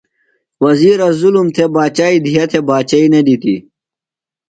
وزیرہ ظلم تھےۡ باچائی دیہہ تھےۡ باچئی نہ دِتیۡ۔